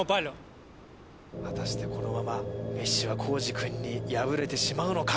果たしてこのままメッシはコージくんに敗れてしまうのか？